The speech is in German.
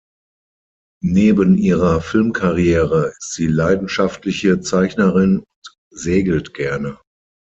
Neben ihrer Filmkarriere ist sie leidenschaftliche Zeichnerin und segelt gerne.